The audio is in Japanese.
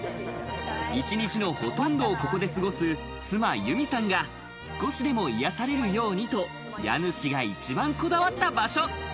一日のほとんどをここで過ごす妻・ゆみさんが少しでも癒やされるようにと、家主が一番こだわった場所。